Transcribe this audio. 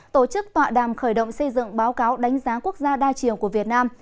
tổ chức tọa đàm khởi động xây dựng báo cáo đánh giá quốc gia đa chiều của việt nam